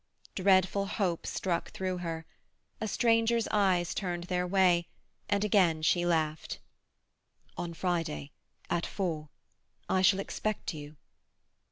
Dreadful hope struck through her. A stranger's eyes turned their way, and again she laughed. "On Friday, at four. I shall expect you."